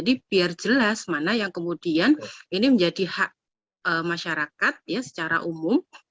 dan kemudian ini menjadi hak masyarakat secara umum